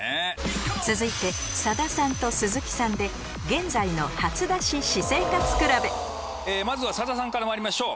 続いて佐田さんと鈴木さんでまずは佐田さんからまいりましょう。